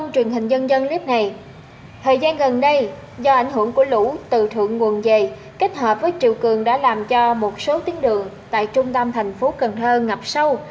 trong thời gian gần đây do ảnh hưởng của lũ từ thượng nguồn dày kết hợp với triều cường đã làm cho một số tiến đường tại trung tâm thành phố cần thơ ngập sâu